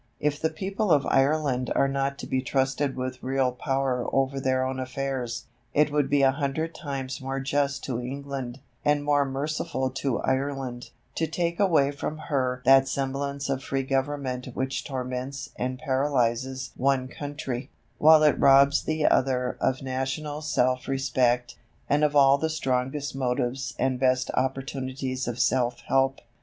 If the people of Ireland are not to be trusted with real power over their own affairs, it would be a hundred times more just to England, and more merciful to Ireland, to take away from her that semblance of free government which torments and paralyzes one country, while it robs the other of national self respect and of all the strongest motives and best opportunities of self help.